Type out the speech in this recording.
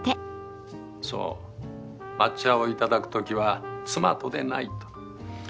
そう抹茶をいただく時は妻とでないと。